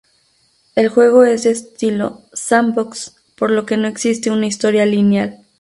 El juego es de estilo sandbox por lo que no existe una historia lineal.